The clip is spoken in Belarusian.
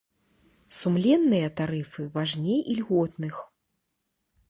Сумленныя тарыфы важней ільготных.